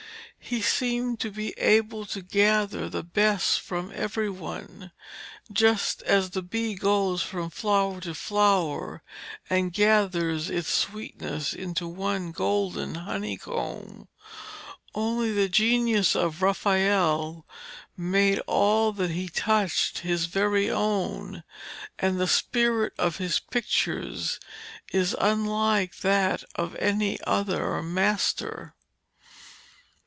He seemed to be able to gather the best from every one, just as the bee goes from flower to flower and gathers its sweetness into one golden honeycomb. Only the genius of Raphael made all that he touched his very own, and the spirit of his pictures is unlike that of any other master.